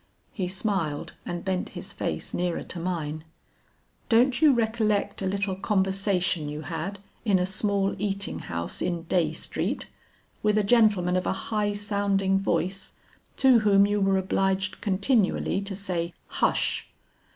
He smiled and bent his face nearer to mine. 'Don't you recollect a little conversation you had in a small eating house in Dey Street, with a gentleman of a high sounding voice to whom you were obliged continually to say 'hush!'"